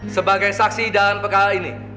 sebagai saksi dan pekala ini